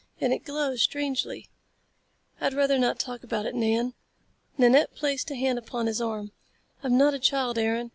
And it glows strangely." "I'd rather not talk about it, Nan." Nanette placed a hand upon his arm. "I'm not a child, Aaron.